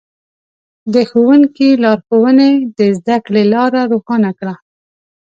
د ښوونکي لارښوونې د زده کړې لاره روښانه کړه.